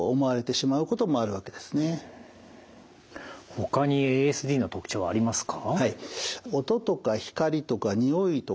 ほかにＡＳＤの特徴はありますか？